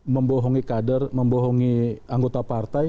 membohongi kader membohongi anggota partai